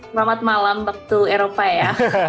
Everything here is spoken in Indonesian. selamat malam waktu eropa ya